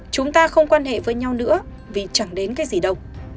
chúng ta không quan hệ với nhau nữa vì chẳng đến cái gì đâu